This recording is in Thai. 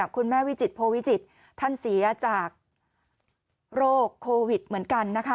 วิจิตโพวิจิตรท่านเสียจากโรคโควิดเหมือนกันนะคะ